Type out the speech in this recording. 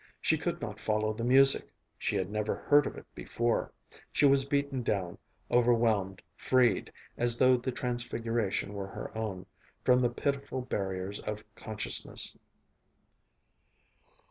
She could not follow the music she had never heard of it before. She was beaten down, overwhelmed, freed, as though the transfiguration were her own, from the pitiful barriers of consciousness....